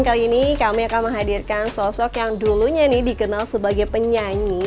kali ini kami akan menghadirkan sosok yang dulunya nih dikenal sebagai penyanyi